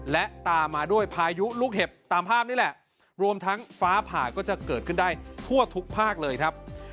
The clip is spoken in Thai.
และตามมาด้วยพายุลูกเห็บตามภาพนี่แหละรวมทั้งฟ้าผ่าก็จะเกิดขึ้นได้ทั่วทุกภาคเลยครับ